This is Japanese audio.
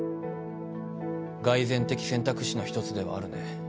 蓋然的選択肢の一つではあるね。